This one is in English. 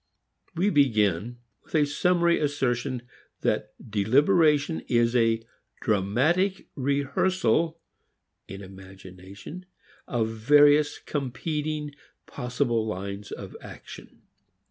We begin with a summary assertion that deliberation is a dramatic rehearsal (in imagination) of various competing possible lines of action.